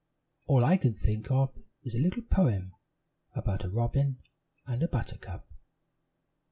All I can think of is a little poem about a robin and a buttercup."